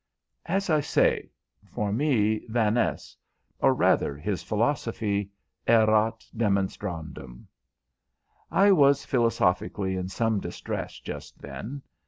As I say, for me Vaness, or rather his philosophy, erat demonstrandum. I was philosophically in some distress just then.